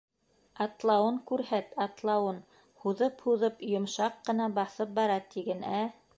Атлауын күрһәт, атлауын, һуҙып-һуҙып, йомшаҡ ҡына баҫып бара тиген, ә!